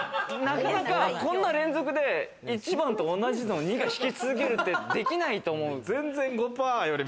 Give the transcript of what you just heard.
こんな連続で、一番と同じものを２回引き続けるってできないと思う。